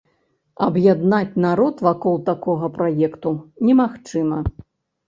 Аб'яднаць народ вакол такога праекту немагчыма.